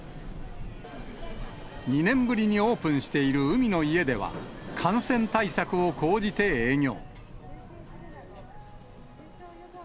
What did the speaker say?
２年ぶりにオープンしている海の家では、感染対策を講じて営業。